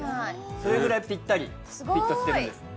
それぐらいピッタリフィットしてるんです。